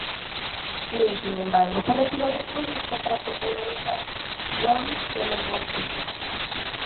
Flynn, sin embargo, se retiró del proyecto para protagonizar "Robin de los bosques".